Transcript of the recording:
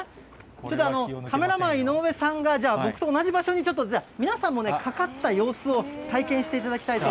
ちょっとカメラマン、いのうえさんが、じゃあ、僕と同じ場所にちょっと、じゃあ、皆さんもね、かかった様子を体験していただきたいと。